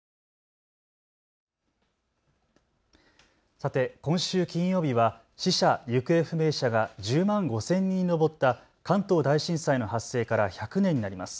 さて今週金曜日は死者・行方不明者が１０万５０００人に上った関東大震災の発生から１００年になります。